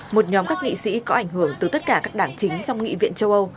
một nhóm các nghị sĩ có ảnh hưởng từ tất cả các đảng chính trong nghị viện châu âu